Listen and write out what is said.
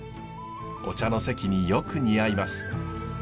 お茶の席によく似合います。